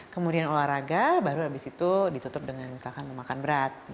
kemudian olahraga baru habis itu ditutup dengan misalkan memakan berat